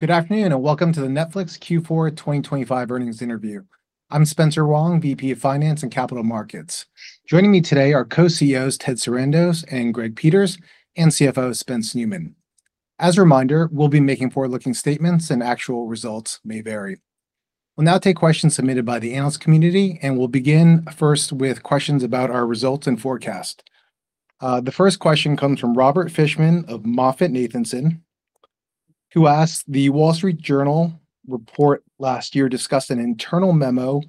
Good afternoon and welcome to the Netflix Q4 2025 earnings interview. I'm Spencer Wang, VP of Finance and Capital Markets. Joining me today are co-CEOs Ted Sarandos and Greg Peters, and CFO Spence Neumann. As a reminder, we'll be making forward-looking statements, and actual results may vary. We'll now take questions submitted by the analyst community, and we'll begin first with questions about our results and forecast. The first question comes from Robert Fishman of MoffettNathanson, who asked, "The Wall Street Journal report last year discussed an internal memo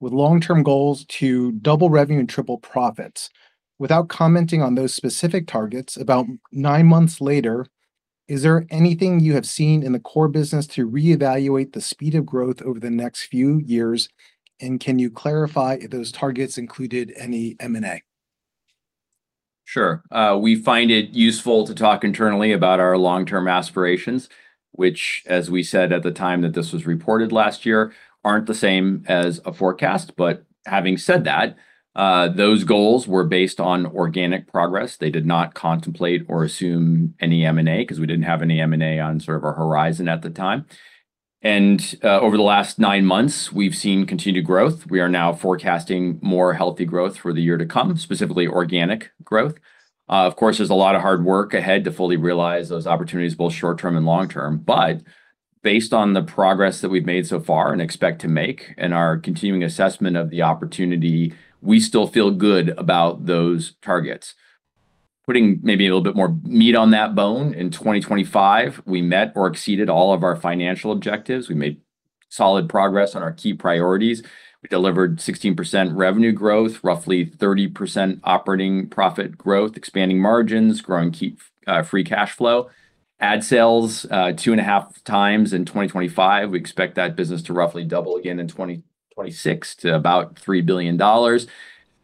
with long-term goals to double revenue and triple profits. Without commenting on those specific targets, about nine months later, is there anything you have seen in the core business to reevaluate the speed of growth over the next few years, and can you clarify if those targets included any M&A? Sure. We find it useful to talk internally about our long-term aspirations, which, as we said at the time that this was reported last year, aren't the same as a forecast. But having said that, those goals were based on organic progress. They did not contemplate or assume any M&A because we didn't have any M&A on sort of our horizon at the time. And over the last nine months, we've seen continued growth. We are now forecasting more healthy growth for the year to come, specifically organic growth. Of course, there's a lot of hard work ahead to fully realize those opportunities, both short-term and long-term. But based on the progress that we've made so far and expect to make and our continuing assessment of the opportunity, we still feel good about those targets. Putting maybe a little bit more meat on that bone, in 2025, we met or exceeded all of our financial objectives. We made solid progress on our key priorities. We delivered 16% revenue growth, roughly 30% operating profit growth, expanding margins, growing key free cash flow. Ad sales two and a half times in 2025. We expect that business to roughly double again in 2026 to about $3 billion.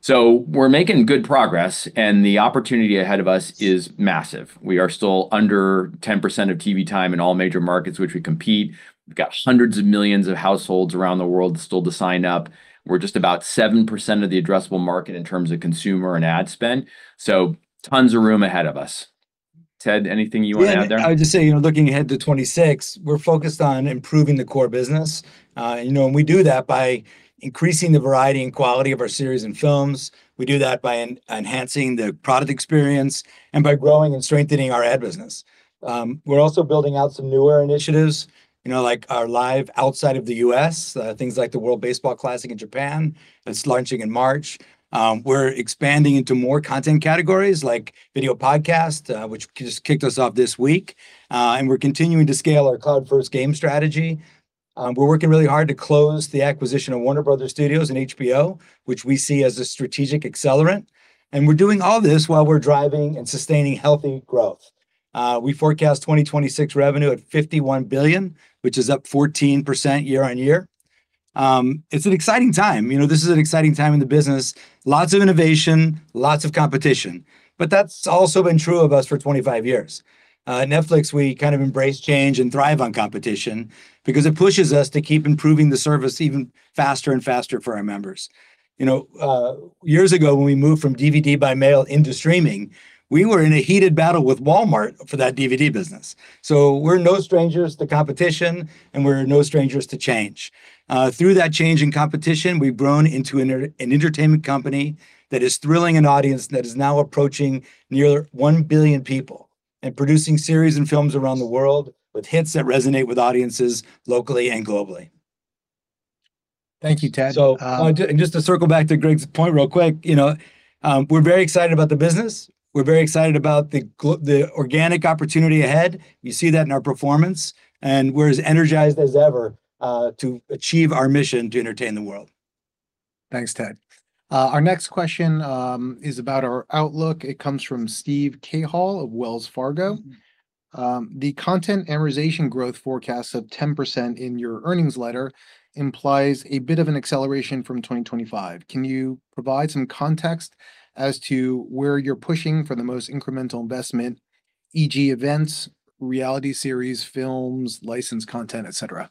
So we're making good progress, and the opportunity ahead of us is massive. We are still under 10% of TV time in all major markets which we compete. We've got hundreds of millions of households around the world still to sign up. We're just about 7% of the addressable market in terms of consumer and ad spend. So tons of room ahead of us. Ted, anything you want to add there? I would just say, you know, looking ahead to 2026, we're focused on improving the core business. You know, and we do that by increasing the variety and quality of our series and films. We do that by enhancing the product experience and by growing and strengthening our ad business. We're also building out some newer initiatives, you know, like our live outside of the US, things like the World Baseball Classic in Japan. It's launching in March. We're expanding into more content categories like video podcast, which just kicked us off this week. And we're continuing to scale our cloud-first game strategy. We're working really hard to close the acquisition of Warner Bros. Studios and HBO, which we see as a strategic accelerant. And we're doing all this while we're driving and sustaining healthy growth. We forecast 2026 revenue at $51 billion, which is up 14% year on year. It's an exciting time. You know, this is an exciting time in the business. Lots of innovation, lots of competition. But that's also been true of us for 25 years. Netflix, we kind of embrace change and thrive on competition because it pushes us to keep improving the service even faster and faster for our members. You know, years ago, when we moved from DVD by mail into streaming, we were in a heated battle with Walmart for that DVD business. So we're no strangers to competition, and we're no strangers to change. Through that change in competition, we've grown into an entertainment company that is thrilling an audience that is now approaching nearly 1 billion people and producing series and films around the world with hits that resonate with audiences locally and globally. Thank you, Ted. So. And just to circle back to Greg's point real quick, you know, we're very excited about the business. We're very excited about the organic opportunity ahead. We see that in our performance. And we're as energized as ever to achieve our mission to entertain the world. Thanks, Ted. Our next question is about our outlook. It comes from Steve Cahall of Wells Fargo. The content amortization growth forecast of 10% in your earnings letter implies a bit of an acceleration from 2025. Can you provide some context as to where you're pushing for the most incremental investment, e.g., events, reality series, films, licensed content, et cetera?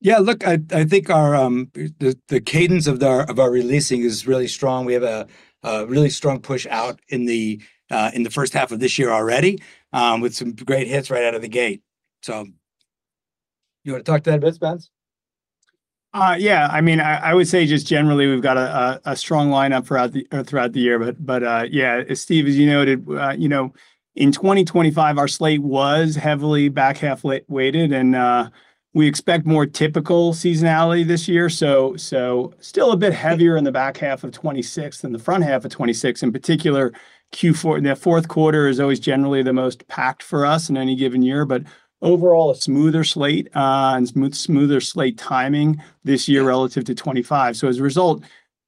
Yeah, look, I think the cadence of our releasing is really strong. We have a really strong push out in the first half of this year already with some great hits right out of the gate. So you want to talk to that a bit, Spence? Yeah. I mean, I would say just generally we've got a strong lineup throughout the year. But yeah, Steve, as you noted, you know, in 2025, our slate was heavily back half weighted, and we expect more typical seasonality this year. So still a bit heavier in the back half of 2026 than the front half of 2026. In particular, the fourth quarter is always generally the most packed for us in any given year. But overall, a smoother slate and smoother slate timing this year relative to 2025. So as a result,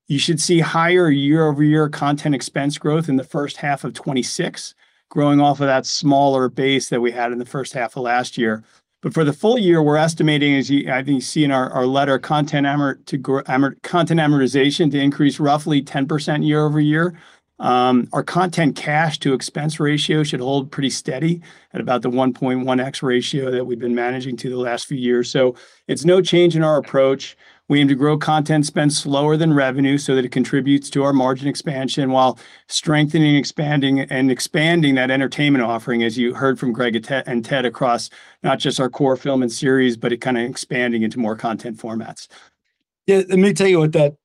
you should see higher year-over-year content expense growth in the first half of 2026, growing off of that smaller base that we had in the first half of last year. But for the full year, we're estimating, as you see in our letter, content amortization to increase roughly 10% year-over-year. Our content cash-to-expense ratio should hold pretty steady at about the 1.1x ratio that we've been managing through the last few years. So it's no change in our approach. We aim to grow content spend slower than revenue so that it contributes to our margin expansion while strengthening and expanding that entertainment offering, as you heard from Greg and Ted across not just our core film and series, but it kind of expanding into more content formats. Yeah, let me tell you what that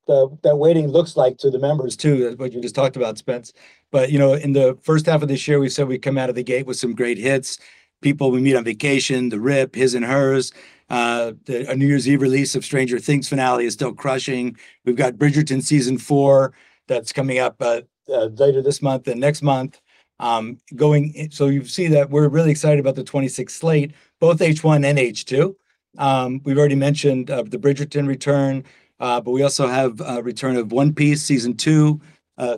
weighting looks like to the members too, what you just talked about, Spence. But, you know, in the first half of this year, we said we'd come out of the gate with some great hits. People We Meet on Vacation, The Rip, His & Hers. A New Year's Eve release of Stranger Things finale is still crushing. We've got Bridgerton season four that's coming up later this month and next month. So you see that we're really excited about the '26 slate, both H1 and H2. We've already mentioned the Bridgerton return, but we also have a return of One Piece season two,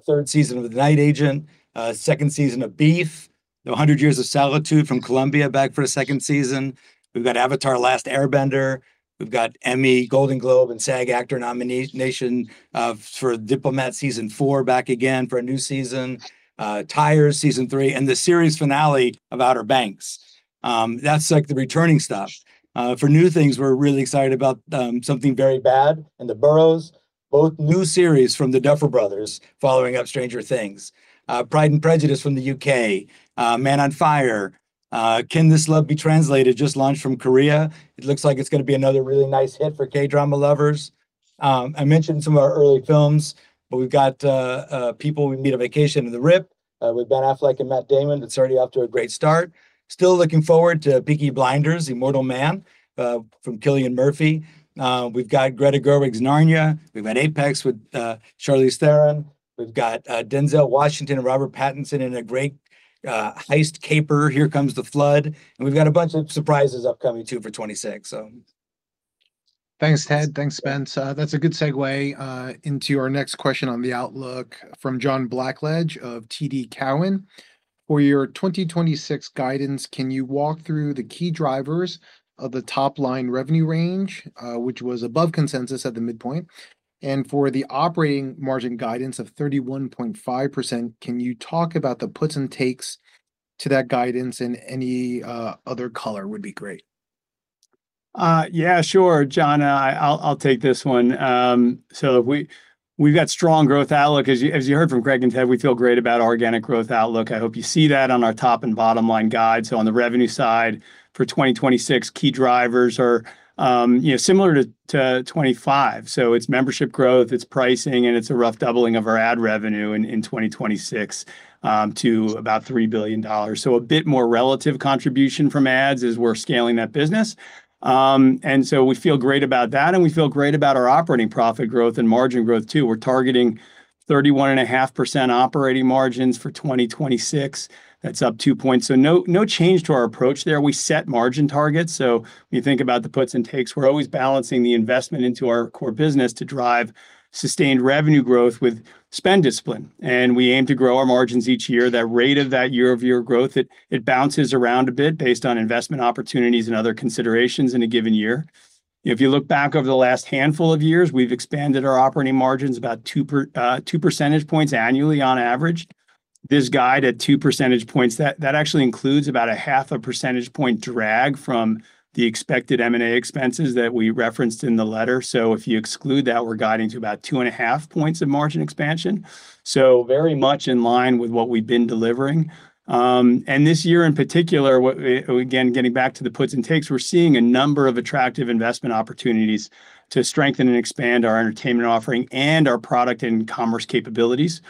third season of The Night Agent, second season of Beef, the One Hundred Years of Solitude from Colombia back for a second season. We've got Avatar: The Last Airbender. We've got Emmy, Golden Globe, and SAG-AFTRA nomination for The Diplomat season four back again for a new season, Tires season three, and the series finale of Outer Banks. That's like the returning stuff. For new things, we're really excited about Something Very Bad Is Going To Happen and The Boroughs, both new series from the Duffer Brothers following up Stranger Things, Pride and Prejudice from the UK, Man on Fire, Can This Love Be Translated just launched from Korea. It looks like it's going to be another really nice hit for K-drama lovers. I mentioned some of our early films, but we've got People We Meet on Vacation and RIP We've got Affleck and Matt Damon. It's already off to a great start. Still looking forward to Peaky Blinders, Immortal Man from Cillian Murphy. We've got Greta Gerwig's Narnia. We've got Apex with Charlize Theron. We've got Denzel Washington and Robert Pattinson in a great heist caper, Here Comes the Flood, and we've got a bunch of surprises upcoming too for 2026. Thanks, Ted. Thanks, Spence. That's a good segue into our next question on the outlook from John Blackledge of TD Cowen. For your 2026 guidance, can you walk through the key drivers of the top-line revenue range, which was above consensus at the midpoint? And for the operating margin guidance of 31.5%, can you talk about the puts and takes to that guidance in any other color would be great? Yeah, sure, John. I'll take this one. So we've got strong growth outlook. As you heard from Greg and Ted, we feel great about our organic growth outlook. I hope you see that on our top and bottom line guide. So on the revenue side for 2026, key drivers are, you know, similar to 2025. So it's membership growth, it's pricing, and it's a rough doubling of our ad revenue in 2026 to about $3 billion. So a bit more relative contribution from ads as we're scaling that business. And so we feel great about that, and we feel great about our operating profit growth and margin growth too. We're targeting 31.5% operating margins for 2026. That's up two points. So no change to our approach there. We set margin targets. So when you think about the puts and takes, we're always balancing the investment into our core business to drive sustained revenue growth with spend discipline. And we aim to grow our margins each year. That rate of that year-over-year growth, it bounces around a bit based on investment opportunities and other considerations in a given year. If you look back over the last handful of years, we've expanded our operating margins about two percentage points annually on average. This guide at two percentage points, that actually includes about a half a percentage point drag from the expected M&A expenses that we referenced in the letter. So if you exclude that, we're guiding to about two and a half points of margin expansion. So very much in line with what we've been delivering. This year in particular, again, getting back to the puts and takes, we're seeing a number of attractive investment opportunities to strengthen and expand our entertainment offering and our product and commerce capabilities.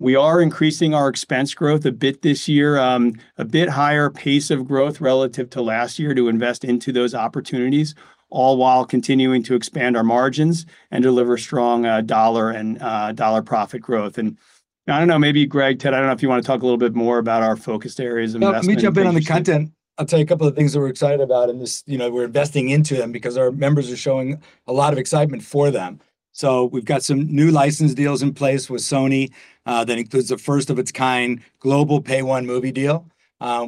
We are increasing our expense growth a bit this year, a bit higher pace of growth relative to last year to invest into those opportunities, all while continuing to expand our margins and deliver strong dollar and dollar profit growth. I don't know, maybe Greg, Ted, I don't know if you want to talk a little bit more about our focused areas of investment. Let me jump in on the content. I'll tell you a couple of things that we're excited about in this, you know, we're investing into them because our members are showing a lot of excitement for them. We've got some new license deals in place with Sony that includes a first-of-its-kind global Pay-One movie deal.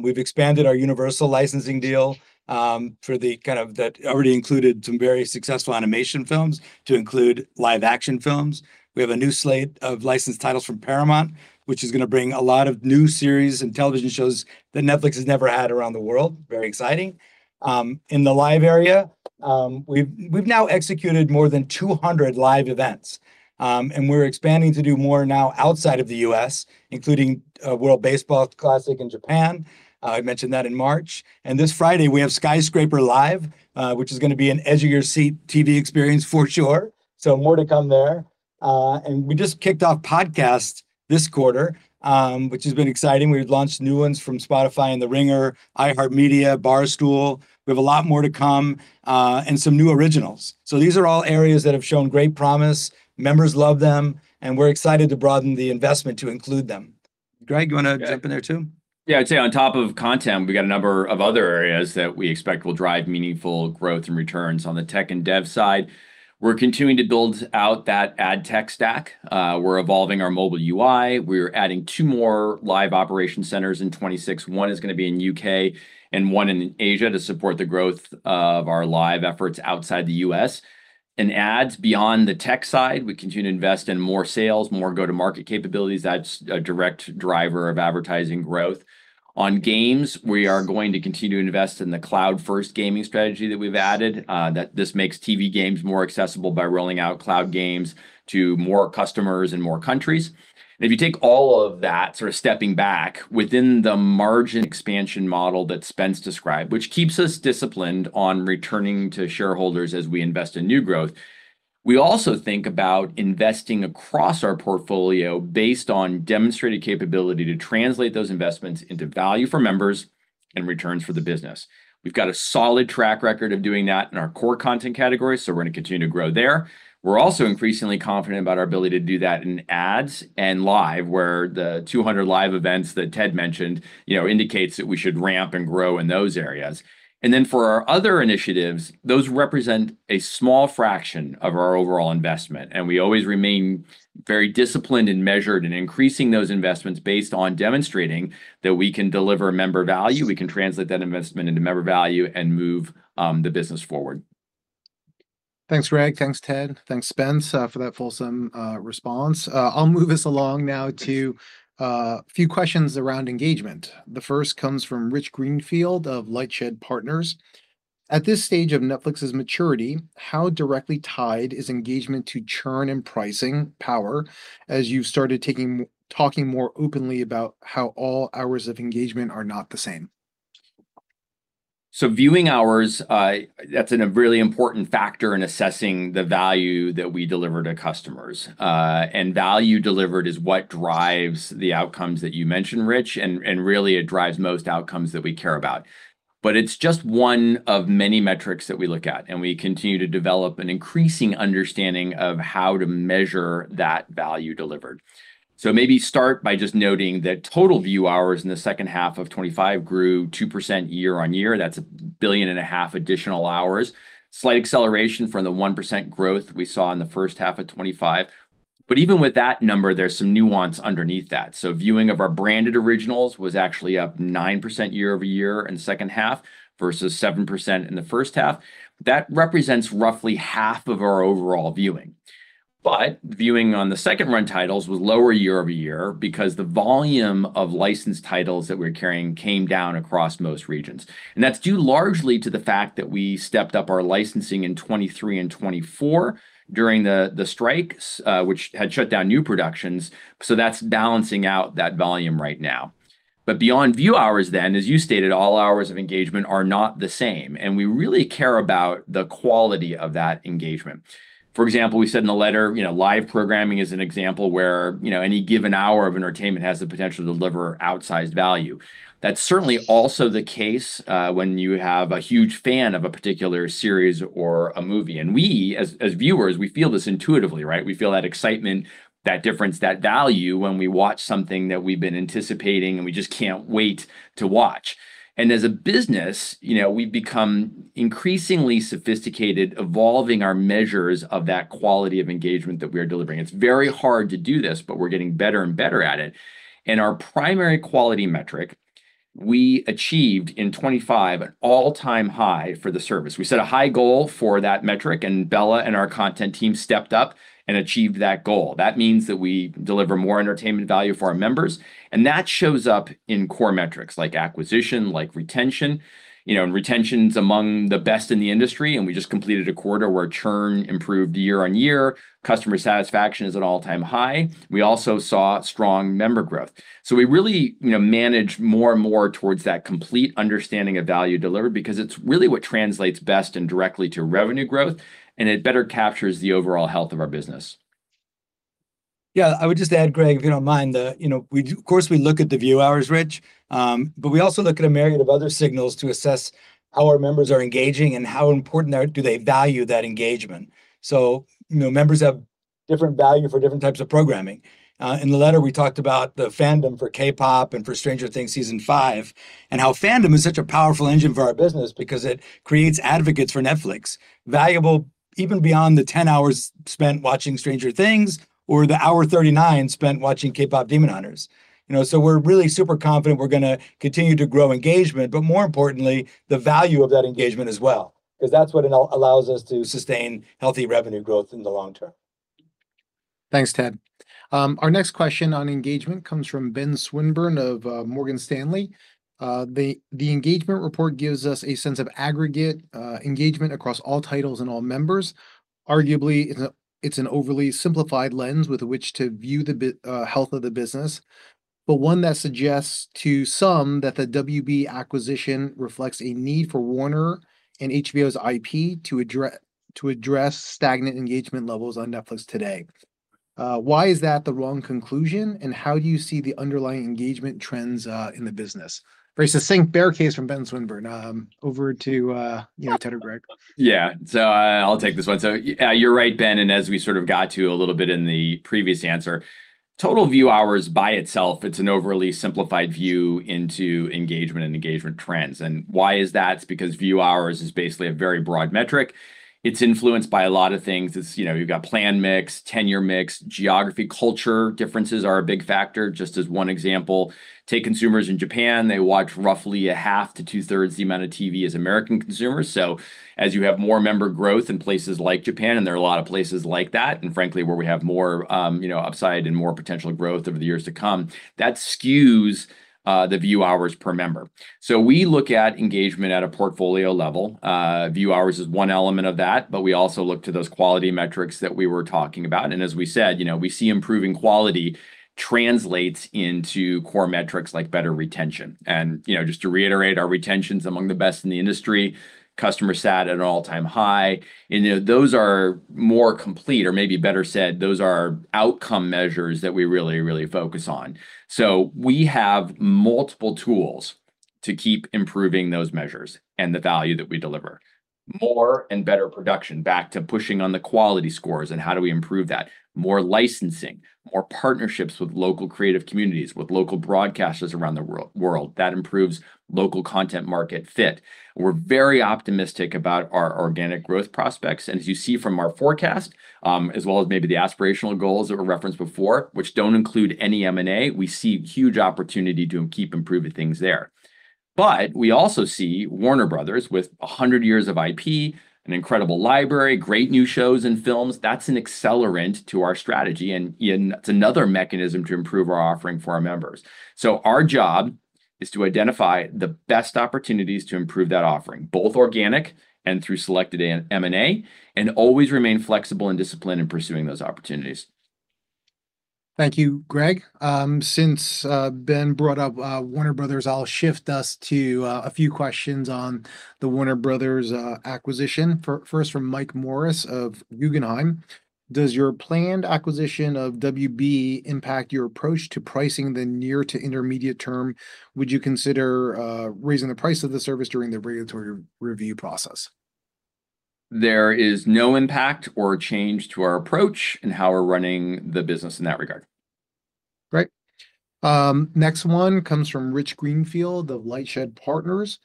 We've expanded our Universal licensing deal for the kind that already included some very successful animation films to include live-action films. We have a new slate of licensed titles from Paramount, which is going to bring a lot of new series and television shows that Netflix has never had around the world. Very exciting. In the live area, we've now executed more than 200 live events. And we're expanding to do more now outside of the U.S., including World Baseball Classic in Japan. I mentioned that in March. And this Friday, we have Skyscraper Live, which is going to be an edge-of-your-seat TV experience for sure. So more to come there. And we just kicked off podcast this quarter, which has been exciting. We've launched new ones from Spotify and The Ringer, iHeartMedia, Barstool. We have a lot more to come and some new originals. So these are all areas that have shown great promise. Members love them, and we're excited to broaden the investment to include them. Greg, you want to jump in there too? Yeah, I'd say on top of content, we've got a number of other areas that we expect will drive meaningful growth and returns on the tech and dev side. We're continuing to build out that ad tech stack. We're evolving our mobile UI. We're adding two more live operation centers in 2026. One is going to be in the U.K. and one in Asia to support the growth of our live efforts outside the U.S., and ads beyond the tech side, we continue to invest in more sales, more go-to-market capabilities. That's a direct driver of advertising growth. On games, we are going to continue to invest in the cloud-first gaming strategy that we've added, that this makes TV games more accessible by rolling out cloud games to more customers in more countries. And if you take all of that, sort of stepping back within the margin expansion model that Spence described, which keeps us disciplined on returning to shareholders as we invest in new growth, we also think about investing across our portfolio based on demonstrated capability to translate those investments into value for members and returns for the business. We've got a solid track record of doing that in our core content category, so we're going to continue to grow there. We're also increasingly confident about our ability to do that in ads and live, where the 200 live events that Ted mentioned, you know, indicates that we should ramp and grow in those areas. And then for our other initiatives, those represent a small fraction of our overall investment. And we always remain very disciplined and measured in increasing those investments based on demonstrating that we can deliver member value. We can translate that investment into member value and move the business forward. Thanks, Greg. Thanks, Ted. Thanks, Spence, for that fulsome response. I'll move us along now to a few questions around engagement. The first comes from Rich Greenfield of LightShed Partners. At this stage of Netflix's maturity, how directly tied is engagement to churn and pricing power as you've started talking more openly about how all hours of engagement are not the same? Viewing hours, that's a really important factor in assessing the value that we deliver to customers. Value delivered is what drives the outcomes that you mentioned, Rich, and really it drives most outcomes that we care about. But it's just one of many metrics that we look at, and we continue to develop an increasing understanding of how to measure that value delivered. Total view hours in the second half of 2025 grew 2% year on year. That's 1.5 billion additional hours. Slight acceleration from the 1% growth we saw in the first half of 2025. But even with that number, there's some nuance underneath that. Viewing of our branded originals was actually up 9% year-over-year in the second half versus 7% in the first half. That represents roughly half of our overall viewing. But viewing on the second-run titles was lower year-over-year because the volume of licensed titles that we're carrying came down across most regions. And that's due largely to the fact that we stepped up our licensing in 2023 and 2024 during the strikes, which had shut down new productions. So that's balancing out that volume right now. But beyond view hours then, as you stated, all hours of engagement are not the same. And we really care about the quality of that engagement. For example, we said in the letter, you know, live programming is an example where, you know, any given hour of entertainment has the potential to deliver outsized value. That's certainly also the case when you have a huge fan of a particular series or a movie. And we, as viewers, we feel this intuitively, right? We feel that excitement, that difference, that value when we watch something that we've been anticipating and we just can't wait to watch. And as a business, you know, we've become increasingly sophisticated, evolving our measures of that quality of engagement that we are delivering. It's very hard to do this, but we're getting better and better at it. And our primary quality metric, we achieved in 2025 an all-time high for the service. We set a high goal for that metric, and Bela and our content team stepped up and achieved that goal. That means that we deliver more entertainment value for our members. And that shows up in core metrics like acquisition, like retention. You know, and retention's among the best in the industry. And we just completed a quarter where churn improved year on year. Customer satisfaction is at an all-time high. We also saw strong member growth, so we really, you know, manage more and more towards that complete understanding of value delivered because it's really what translates best and directly to revenue growth, and it better captures the overall health of our business. Yeah, I would just add, Greg, if you don't mind, that, you know, of course we look at the view hours, Rich, but we also look at a myriad of other signals to assess how our members are engaging and how important do they value that engagement. So, you know, members have different value for different types of programming. In the letter, we talked about the fandom for K-pop and for Stranger Things season five and how fandom is such a powerful engine for our business because it creates advocates for Netflix, valuable even beyond the 10 hours spent watching Stranger Things or the hour 39 spent watching K-Pop: Demon Hunters. You know, so we're really super confident we're going to continue to grow engagement, but more importantly, the value of that engagement as well, because that's what allows us to sustain healthy revenue growth in the long term. Thanks, Ted. Our next question on engagement comes from Ben Swinburne of Morgan Stanley. The engagement report gives us a sense of aggregate engagement across all titles and all members. Arguably, it's an overly simplified lens with which to view the health of the business, but one that suggests to some that the WB acquisition reflects a need for Warner and HBO's IP to address stagnant engagement levels on Netflix today. Why is that the wrong conclusion, and how do you see the underlying engagement trends in the business? Very succinct, great question from Ben Swinburne. Over to, you know, Ted or Greg. Yeah, so I'll take this one. So you're right, Ben, and as we sort of got to a little bit in the previous answer, total view hours by itself, it's an overly simplified view into engagement and engagement trends. And why is that? It's because view hours is basically a very broad metric. It's influenced by a lot of things. It's, you know, you've got plan mix, tenure mix, geography, culture differences are a big factor. Just as one example, take consumers in Japan. They watch roughly a half to two-thirds the amount of TV as American consumers. So as you have more member growth in places like Japan, and there are a lot of places like that, and frankly, where we have more, you know, upside and more potential growth over the years to come, that skews the view hours per member. So we look at engagement at a portfolio level. View hours is one element of that, but we also look to those quality metrics that we were talking about. And as we said, you know, we see improving quality translates into core metrics like better retention. And, you know, just to reiterate, our retention's among the best in the industry. Customer sat at an all-time high. And, you know, those are more complete, or maybe better said, those are outcome measures that we really, really focus on. So we have multiple tools to keep improving those measures and the value that we deliver. More and better production back to pushing on the quality scores and how do we improve that. More licensing, more partnerships with local creative communities, with local broadcasters around the world. That improves local content market fit. We're very optimistic about our organic growth prospects. As you see from our forecast, as well as maybe the aspirational goals that were referenced before, which don't include any M&A, we see huge opportunity to keep improving things there. We also see Warner Bros. with 100 years of IP, an incredible library, great new shows and films. That's an accelerant to our strategy, and it's another mechanism to improve our offering for our members. Our job is to identify the best opportunities to improve that offering, both organic and through selected M&A, and always remain flexible and disciplined in pursuing those opportunities. Thank you, Greg. Since Ben brought up Warner Bros., I'll shift us to a few questions on the Warner Bros. acquisition. First from Mike Morris of Guggenheim. Does your planned acquisition of WB impact your approach to pricing the near to intermediate term? Would you consider raising the price of the service during the regulatory review process? There is no impact or change to our approach and how we're running the business in that regard. Great. Next one comes from Rich Greenfield of LightShed Partners.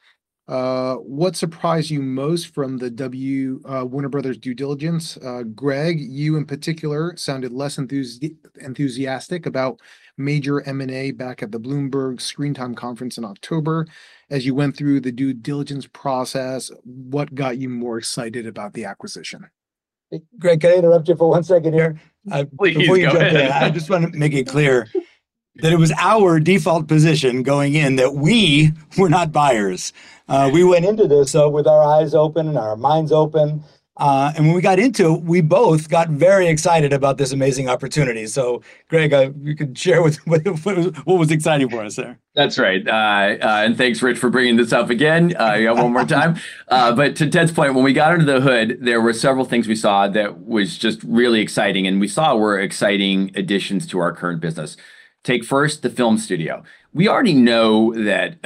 What surprised you most from the Warner Brothers due diligence? Greg, you in particular sounded less enthusiastic about major M&A back at the Bloomberg Screentime Conference in October. As you went through the due diligence process, what got you more excited about the acquisition? Greg, can I interrupt you for one second here? Please, you do. Before you jump in, I just want to make it clear that it was our default position going in that we were not buyers. We went into this with our eyes open and our minds open. And when we got into it, we both got very excited about this amazing opportunity. So, Greg, you can share with what was exciting for us there. That's right. And thanks, Rich, for bringing this up again. You got one more time, but to Ted's point, when we got under the hood, there were several things we saw that were just really exciting, and were exciting additions to our current business. Take first the film studio. We already know that,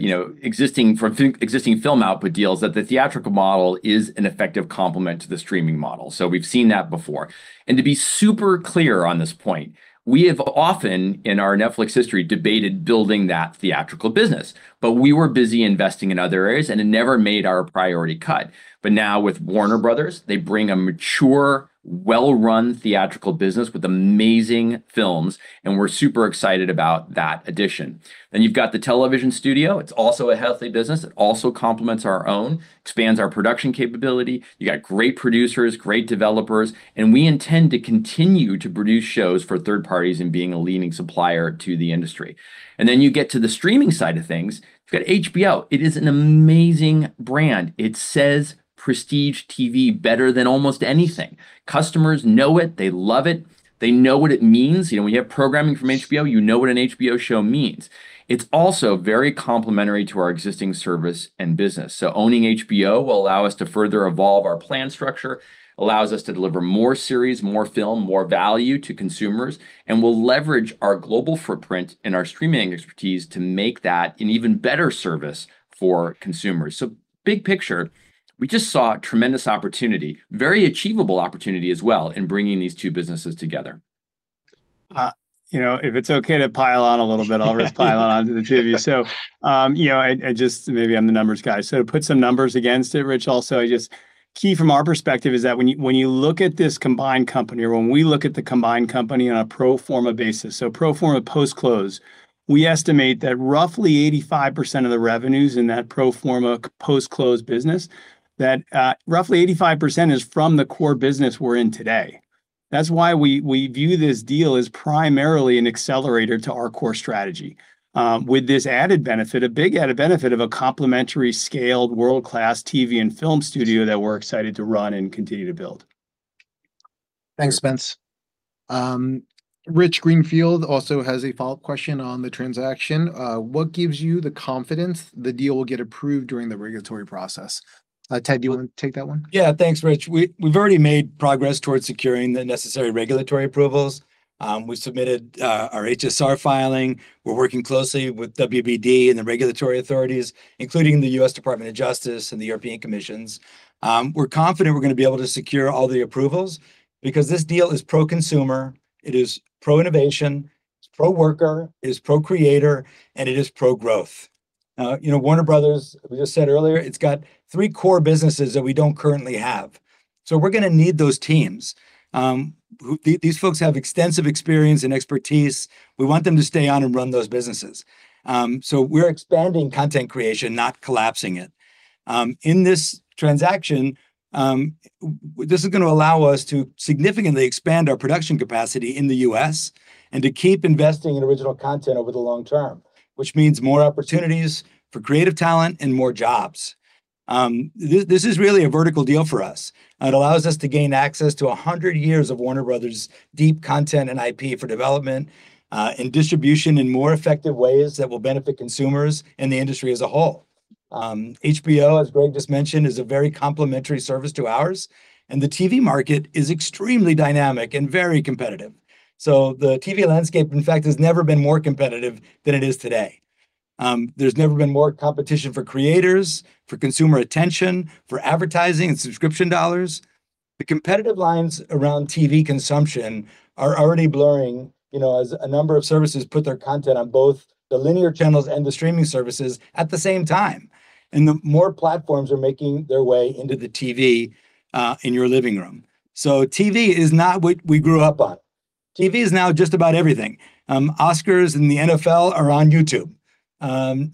you know, existing film output deals, that the theatrical model is an effective complement to the streaming model. So we've seen that before, and to be super clear on this point, we have often in our Netflix history debated building that theatrical business, but we were busy investing in other areas, and it never made our priority cut, but now with Warner Bros., they bring a mature, well-run theatrical business with amazing films, and we're super excited about that addition. Then you've got the television studio. It's also a healthy business. It also complements our own, expands our production capability. You got great producers, great developers, and we intend to continue to produce shows for third parties and being a leading supplier to the industry, and then you get to the streaming side of things. You've got HBO. It is an amazing brand. It says prestige TV better than almost anything. Customers know it. They love it. They know what it means. You know, when you have programming from HBO, you know what an HBO show means. It's also very complementary to our existing service and business, so owning HBO will allow us to further evolve our plan structure, allows us to deliver more series, more film, more value to consumers, and will leverage our global footprint and our streaming expertise to make that an even better service for consumers. So big picture, we just saw tremendous opportunity, very achievable opportunity as well in bringing these two businesses together. You know, if it's okay to pile on a little bit, I'll just pile on onto the two of you. So, you know, I just, maybe I'm the numbers guy. So to put some numbers against it, Rich, also, I just, the key from our perspective is that when you look at this combined company, or when we look at the combined company on a pro forma basis, so pro forma post-close, we estimate that roughly 85% of the revenues in that pro forma post-close business, that roughly 85% is from the core business we're in today. That's why we view this deal as primarily an accelerator to our core strategy, with this added benefit, a big added benefit of a complementary scaled world-class TV and film studio that we're excited to run and continue to build. Thanks, Spence. Rich Greenfield also has a follow-up question on the transaction. What gives you the confidence the deal will get approved during the regulatory process? Ted, do you want to take that one? Yeah, thanks, Rich. We've already made progress towards securing the necessary regulatory approvals. We submitted our HSR filing. We're working closely with WBD and the regulatory authorities, including the U.S. Department of Justice and the European Commission. We're confident we're going to be able to secure all the approvals because this deal is pro-consumer. It is pro-innovation. It's pro-worker. It is pro-creator. And it is pro-growth. You know, Warner Bros., we just said earlier, it's got three core businesses that we don't currently have. So we're going to need those teams. These folks have extensive experience and expertise. We want them to stay on and run those businesses. So we're expanding content creation, not collapsing it. In this transaction, this is going to allow us to significantly expand our production capacity in the U.S. And to keep investing in original content over the long term, which means more opportunities for creative talent and more jobs. This is really a vertical deal for us. It allows us to gain access to 100 years of Warner Bros.' deep content and IP for development and distribution in more effective ways that will benefit consumers and the industry as a whole. HBO, as Greg just mentioned, is a very complementary service to ours. And the TV market is extremely dynamic and very competitive. So the TV landscape, in fact, has never been more competitive than it is today. There's never been more competition for creators, for consumer attention, for advertising and subscription dollars. The competitive lines around TV consumption are already blurring, you know, as a number of services put their content on both the linear channels and the streaming services at the same time. And the more platforms are making their way into the TV in your living room. So TV is not what we grew up on. TV is now just about everything. Oscars and the NFL are on YouTube.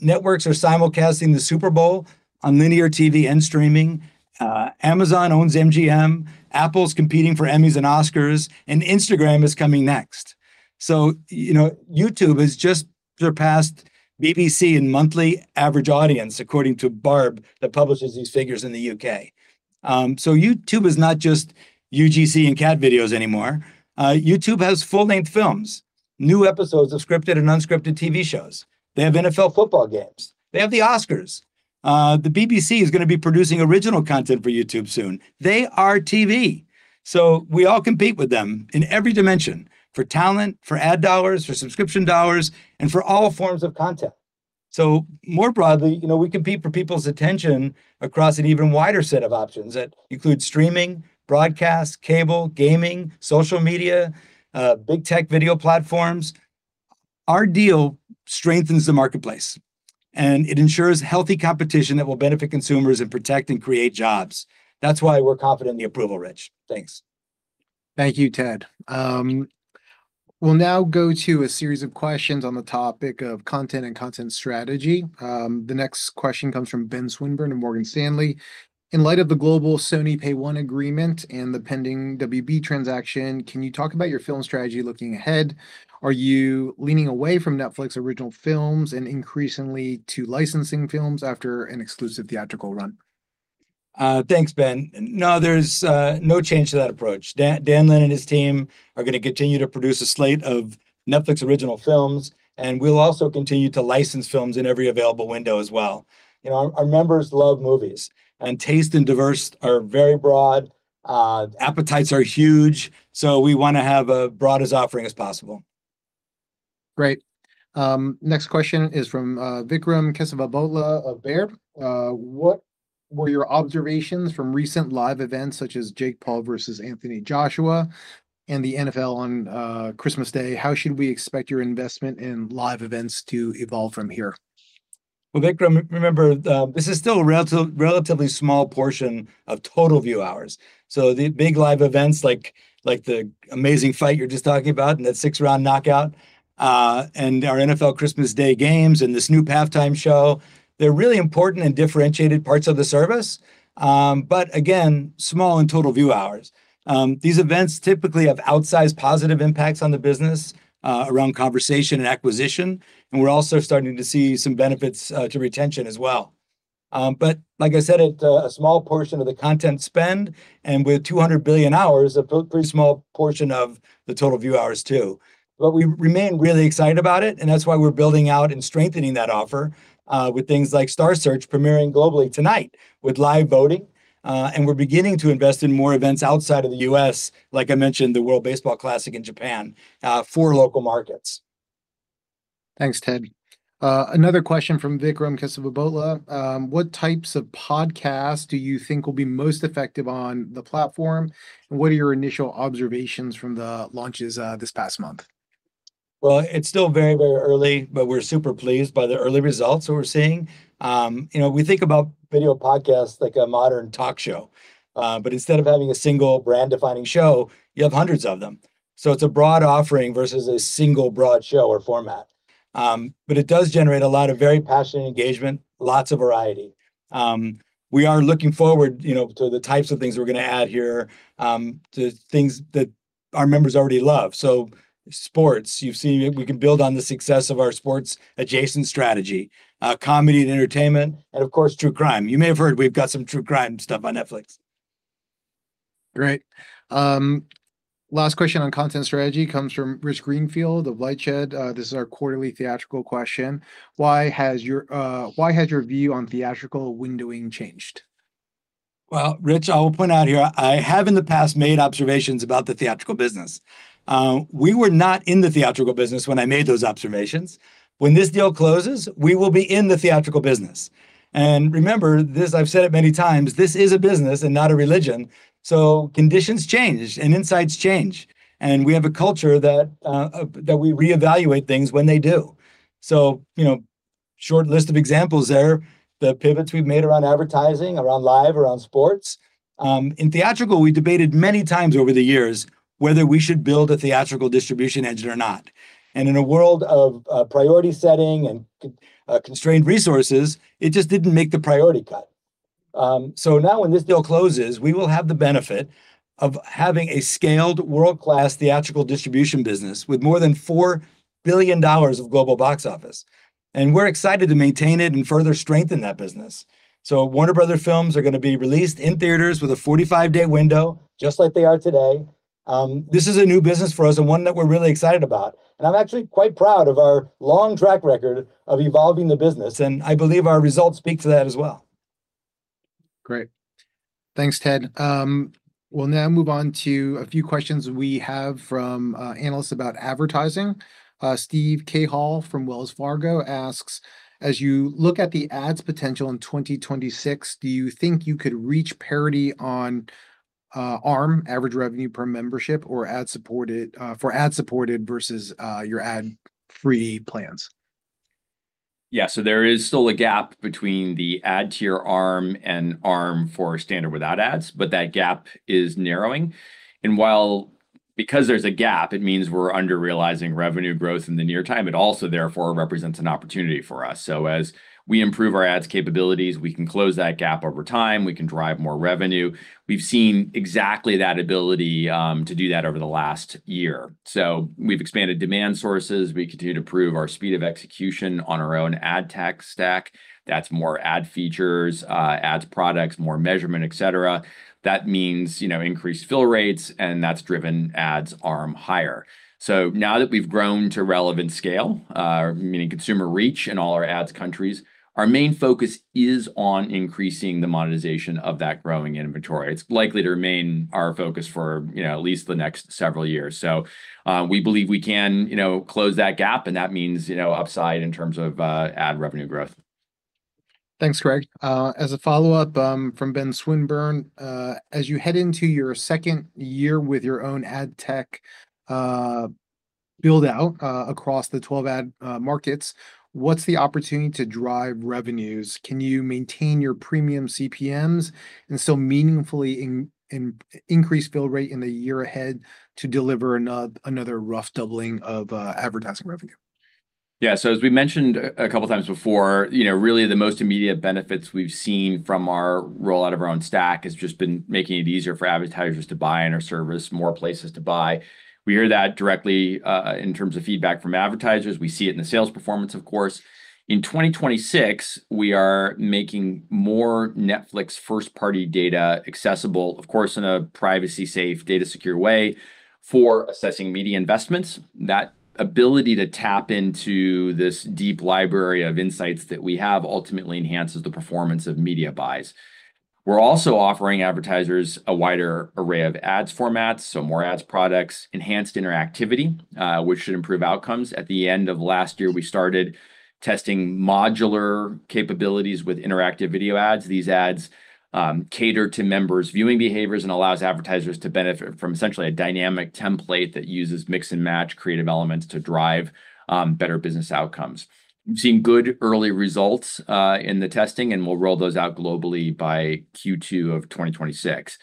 Networks are simulcasting the Super Bowl on linear TV and streaming. Amazon owns MGM. Apple's competing for Emmys and Oscars. And Instagram is coming next. So, you know, YouTube has just surpassed BBC in monthly average audience, according to Barb, that publishes these figures in the U.K. So YouTube is not just UGC and cat videos anymore. YouTube has full-length films, new episodes of scripted and unscripted TV shows. They have NFL football games. They have the Oscars. The BBC is going to be producing original content for YouTube soon. They are TV. So we all compete with them in every dimension for talent, for ad dollars, for subscription dollars, and for all forms of content. So more broadly, you know, we compete for people's attention across an even wider set of options that include streaming, broadcast, cable, gaming, social media, big tech video platforms. Our deal strengthens the marketplace, and it ensures healthy competition that will benefit consumers and protect and create jobs. That's why we're confident in the approval, Rich. Thanks. Thank you, Ted. We'll now go to a series of questions on the topic of content and content strategy. The next question comes from Ben Swinburne of Morgan Stanley. In light of the global Sony PayOne agreement and the pending WB transaction, can you talk about your film strategy looking ahead? Are you leaning away from Netflix original films and increasingly to licensing films after an exclusive theatrical run? Thanks, Ben. No, there's no change to that approach. Dan Lin and his team are going to continue to produce a slate of Netflix original films, and we'll also continue to license films in every available window as well. You know, our members love movies, and tastes and diverse are very broad. Appetites are huge. So we want to have a broadest offering as possible. Great. Next question is from Vikram Kesavabhotla of Baird. What were your observations from recent live events such as Jake Paul versus Anthony Joshua and the NFL on Christmas Day? How should we expect your investment in live events to evolve from here? Vikram, remember, this is still a relatively small portion of total view hours. So the big live events like the amazing fight you're just talking about and that six-round knockout and our NFL Christmas Day games and this new halftime show, they're really important and differentiated parts of the service. But again, small in total view hours. These events typically have outsized positive impacts on the business around conversation and acquisition. And we're also starting to see some benefits to retention as well. But like I said, it's a small portion of the content spend, and with 200 billion hours, a pretty small portion of the total view hours too. But we remain really excited about it, and that's why we're building out and strengthening that offer with things like Star Search premiering globally tonight with live voting. We're beginning to invest in more events outside of the U.S., like I mentioned, the World Baseball Classic in Japan for local markets. Thanks, Ted. Another question from Vikram Kesavabhotla. What types of podcasts do you think will be most effective on the platform? And what are your initial observations from the launches this past month? It's still very, very early, but we're super pleased by the early results that we're seeing. You know, we think about video podcasts like a modern talk show, but instead of having a single brand-defining show, you have hundreds of them. So it's a broad offering versus a single broad show or format. But it does generate a lot of very passionate engagement, lots of variety. We are looking forward, you know, to the types of things we're going to add here to things that our members already love. So sports, you've seen we can build on the success of our sports-adjacent strategy, comedy and entertainment, and of course, true crime. You may have heard we've got some true crime stuff on Netflix. Great. Last question on content strategy comes from Rich Greenfield of LightShed. This is our quarterly theatrical question. Why has your view on theatrical windowing changed? Rich, I will point out here, I have in the past made observations about the theatrical business. We were not in the theatrical business when I made those observations. When this deal closes, we will be in the theatrical business. And remember, this I've said it many times, this is a business and not a religion. So conditions change and insights change. And we have a culture that we reevaluate things when they do. So, you know, short list of examples there, the pivots we've made around advertising, around live, around sports. In theatrical, we debated many times over the years whether we should build a theatrical distribution engine or not. And in a world of priority setting and constrained resources, it just didn't make the priority cut. So now when this deal closes, we will have the benefit of having a scaled world-class theatrical distribution business with more than $4 billion of global box office. And we're excited to maintain it and further strengthen that business. So Warner Bros. films are going to be released in theaters with a 45-day window, just like they are today. This is a new business for us and one that we're really excited about. And I'm actually quite proud of our long track record of evolving the business. And I believe our results speak to that as well. Great. Thanks, Ted. We'll now move on to a few questions we have from analysts about advertising. Steve Cahall from Wells Fargo asks, as you look at the ads potential in 2026, do you think you could reach parity on ARM, average revenue per membership, or ad-supported versus your ad-free plans? Yeah, so there is still a gap between the ad-tier ARM and ARM for standard without ads, but that gap is narrowing. And while because there's a gap, it means we're underrealizing revenue growth in the near time, it also therefore represents an opportunity for us. So as we improve our ads capabilities, we can close that gap over time. We can drive more revenue. We've seen exactly that ability to do that over the last year. So we've expanded demand sources. We continue to prove our speed of execution on our own ad tech stack. That's more ad features, ads products, more measurement, et cetera. That means, you know, increased fill rates, and that's driven ads ARM higher. So now that we've grown to relevant scale, meaning consumer reach in all our ads countries, our main focus is on increasing the monetization of that growing inventory. It's likely to remain our focus for, you know, at least the next several years. So we believe we can, you know, close that gap, and that means, you know, upside in terms of ad revenue growth. Thanks, Greg. As a follow-up from Ben Swinburne, as you head into your second year with your own ad tech build-out across the 12 ad markets, what's the opportunity to drive revenues? Can you maintain your premium CPMs and still meaningfully increase bill rate in the year ahead to deliver another rough doubling of advertising revenue? Yeah, so as we mentioned a couple of times before, you know, really the most immediate benefits we've seen from our rollout of our own stack has just been making it easier for advertisers to buy in our service, more places to buy. We hear that directly in terms of feedback from advertisers. We see it in the sales performance, of course. In 2026, we are making more Netflix first-party data accessible, of course, in a privacy-safe, data-secure way for assessing media investments. That ability to tap into this deep library of insights that we have ultimately enhances the performance of media buys. We're also offering advertisers a wider array of ads formats, so more ads products, enhanced interactivity, which should improve outcomes. At the end of last year, we started testing modular capabilities with interactive video ads. These ads cater to members' viewing behaviors and allow advertisers to benefit from essentially a dynamic template that uses mix-and-match creative elements to drive better business outcomes. We've seen good early results in the testing, and we'll roll those out globally by Q2 of 2026.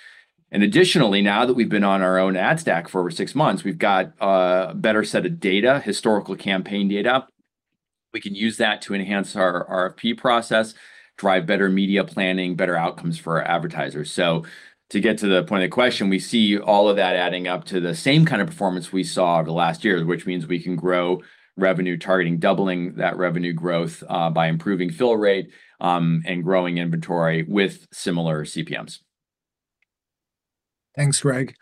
And additionally, now that we've been on our own ad stack for over six months, we've got a better set of data, historical campaign data. We can use that to enhance our RFP process, drive better media planning, better outcomes for advertisers. So to get to the point of the question, we see all of that adding up to the same kind of performance we saw over the last year, which means we can grow revenue targeting, doubling that revenue growth by improving fill rate and growing inventory with similar CPMs. Thanks, Greg.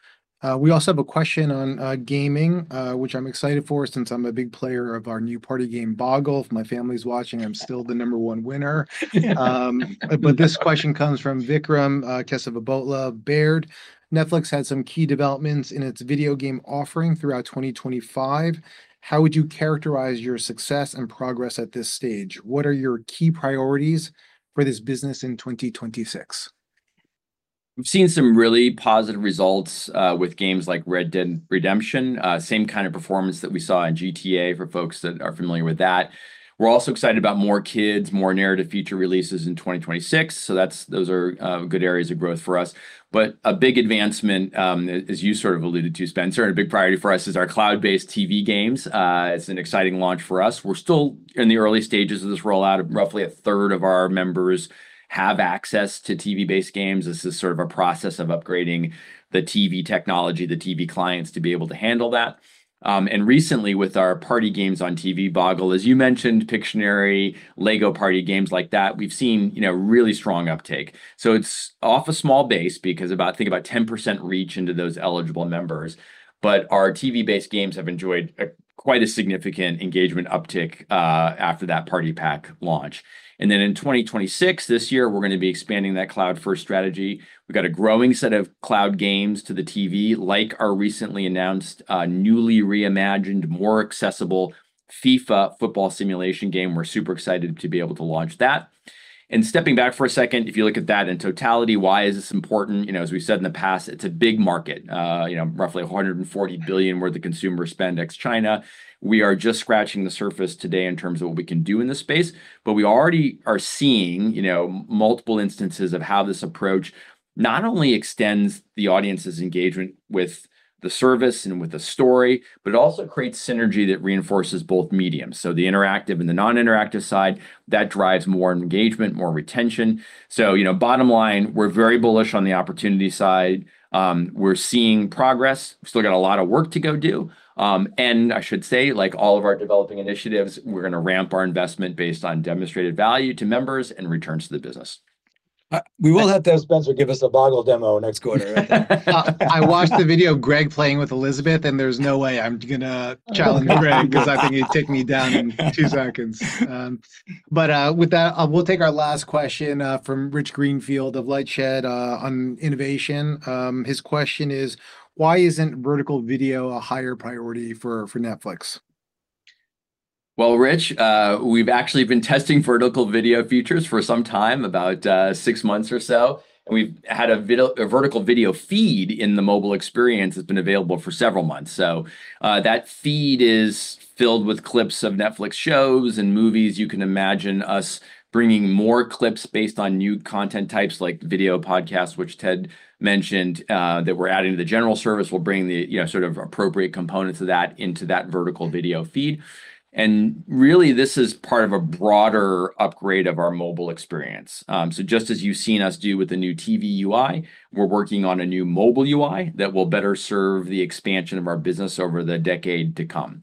We also have a question on gaming, which I'm excited for since I'm a big player of our new party game, Boggle. If my family's watching, I'm still the number one winner. But this question comes from Vikram Kesavabhotla, Baird. Netflix had some key developments in its video game offering throughout 2025. How would you characterize your success and progress at this stage? What are your key priorities for this business in 2026? We've seen some really positive results with games like Red Dead Redemption, same kind of performance that we saw in GTA for folks that are familiar with that. We're also excited about more kids, more narrative feature releases in 2026, so those are good areas of growth for us, but a big advancement, as you sort of alluded to, Spencer, and a big priority for us is our cloud-based TV games. It's an exciting launch for us. We're still in the early stages of this rollout. Roughly a third of our members have access to TV-based games. This is sort of a process of upgrading the TV technology, the TV clients to be able to handle that, and recently, with our party games on TV, Boggle, as you mentioned, Pictionary, LEGO party games like that, we've seen, you know, really strong uptake. It's off a small base because about, I think, about 10% reach into those eligible members. Our TV-based games have enjoyed quite a significant engagement uptick after that party pack launch. In 2026, this year, we're going to be expanding that cloud-first strategy. We've got a growing set of cloud games to the TV, like our recently announced newly reimagined, more accessible FIFA football simulation game. We're super excited to be able to launch that. Stepping back for a second, if you look at that in totality, why is this important? You know, as we've said in the past, it's a big market, you know, roughly $140 billion worth of consumer spend ex-China. We are just scratching the surface today in terms of what we can do in this space. But we already are seeing, you know, multiple instances of how this approach not only extends the audience's engagement with the service and with the story, but it also creates synergy that reinforces both mediums. So the interactive and the non-interactive side, that drives more engagement, more retention. So, you know, bottom line, we're very bullish on the opportunity side. We're seeing progress. We've still got a lot of work to go do. And I should say, like all of our developing initiatives, we're going to ramp our investment based on demonstrated value to members and returns to the business. We will have to have Spencer give us a Boggle demo next quarter. I watched the video of Greg playing with Elizabeth, and there's no way I'm going to challenge Greg because I think he'd take me down in two seconds. But with that, we'll take our last question from Rich Greenfield of LightShed on innovation. His question is, why isn't vertical video a higher priority for Netflix? Rich, we've actually been testing vertical video features for some time, about six months or so. We've had a vertical video feed in the mobile experience that's been available for several months. That feed is filled with clips of Netflix shows and movies. You can imagine us bringing more clips based on new content types like video podcasts, which Ted mentioned that we're adding to the general service. We'll bring the, you know, sort of appropriate components of that into that vertical video feed. Really, this is part of a broader upgrade of our mobile experience. Just as you've seen us do with the new TV UI, we're working on a new mobile UI that will better serve the expansion of our business over the decade to come.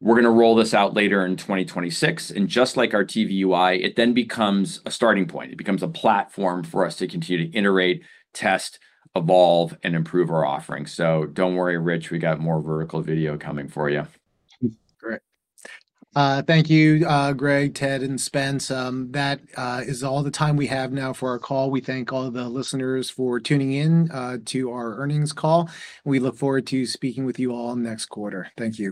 We're going to roll this out later in 2026. And just like our TV UI, it then becomes a starting point. It becomes a platform for us to continue to iterate, test, evolve, and improve our offering. So don't worry, Rich, we got more vertical video coming for you. Great. Thank you, Greg, Ted, and Spence. That is all the time we have now for our call. We thank all of the listeners for tuning in to our earnings call. We look forward to speaking with you all next quarter. Thank you.